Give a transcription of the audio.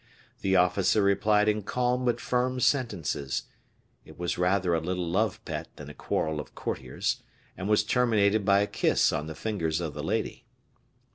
The officer replied in calm but firm sentences; it was rather a little love pet than a quarrel of courtiers, and was terminated by a kiss on the fingers of the lady.